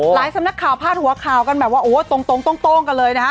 หลายสำนักข่าวพาดหัวข่าวกันแบบว่าโต้งกันเลยนะฮะ